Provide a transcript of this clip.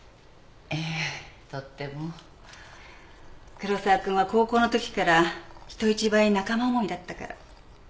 黒沢君は高校のときから人一倍仲間思いだったから。